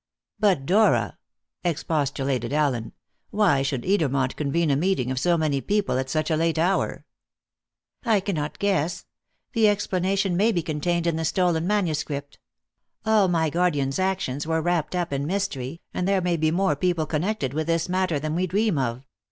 "But, Dora," expostulated Allen, "why should Edermont convene a meeting of so many people at such a late hour?" "I cannot guess. The explanation may be contained in the stolen manuscript. All my guardian's actions were wrapped up in mystery, and there may be more people connected with this matter than we dream of.